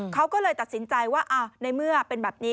เขาก็เลยตัดสินใจว่าในเมื่อเป็นแบบนี้